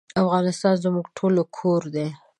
افغانستان زموږ ټولو کور دی